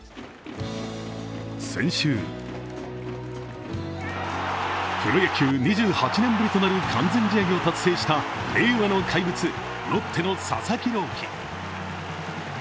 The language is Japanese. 先週、プロ野球２８年ぶりとなる完全試合を達成した令和の怪物・ロッテの佐々木朗希。